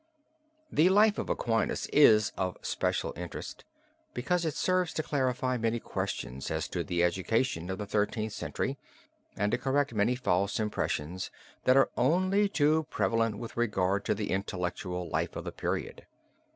The life of Aquinas is of special interest, because it serves to clarify many questions as to the education of the Thirteenth Century and to correct many false impressions that are only too prevalent with regard to the intellectual life of the period.